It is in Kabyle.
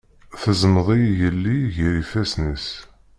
Teẓmeḍ -iyi yelli ger ifassen-is.